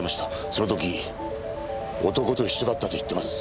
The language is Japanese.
その時男と一緒だったと言ってます。